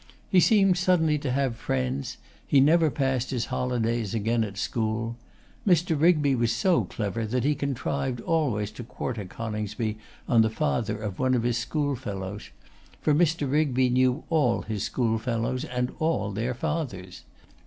He seemed suddenly to have friends: he never passed his holydays again at school. Mr. Rigby was so clever that he contrived always to quarter Coningsby on the father of one of his school fellows, for Mr. Rigby knew all his school fellows and all their fathers.